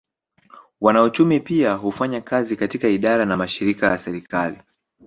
Wanauchumi pia hufanya kazi katika idara na mashirika ya serikali